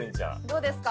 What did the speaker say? どうですか？